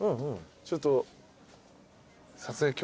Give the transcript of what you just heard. ちょっと。